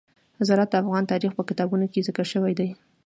زراعت د افغان تاریخ په کتابونو کې ذکر شوی دي.